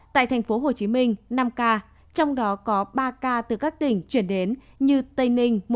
tại tp hcm năm ca trong đó có ba ca từ các tỉnh chuyển đến như tây ninh